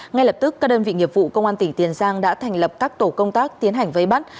ngay lập tức các đơn vị nghiệp vụ công an tỉnh tiền giang đã thành lập các tổ công tác tiến hành vây bắt